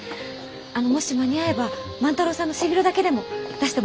あのもし間に合えば万太郎さんの背広だけでも出してもらえません？